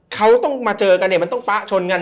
เขาต้องมาเจอกันเนี่ยมันต้องป๊ะชนกัน